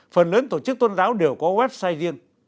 phần lớn tổ chức tôn giáo đều có website riêng